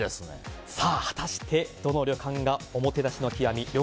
果たして、どの旅館がおもてなしの極み旅館